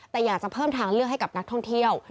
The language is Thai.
แต่อยากจะเพิ่มทางเลือกให้กับนักท่องเที่ยว